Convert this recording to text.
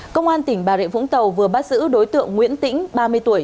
công an tỉnh bà rịa vũng tàu vừa bắt giữ đối tượng nguyễn tĩnh ba mươi tuổi